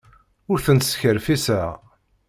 Ur tent-skerfiṣeɣ.